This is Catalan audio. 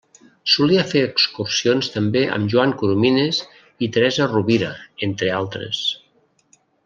Solia fer excursions també amb Joan Coromines i Teresa Rovira, entre altres.